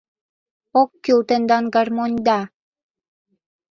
Ок кӱл тендан гармоньда.